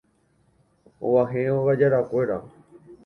og̃uahẽ ogajarakuéra.